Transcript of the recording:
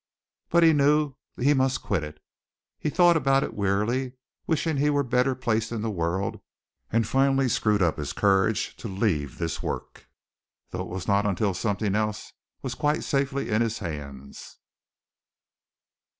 But he knew he must quit it. He thought about it wearily, wishing he were better placed in this world; and finally screwed up his courage to leave this work, though it was not until something else was quite safely in his hands.